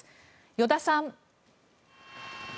依田さん。